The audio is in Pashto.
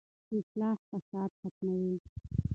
اصلاح فساد ختموي.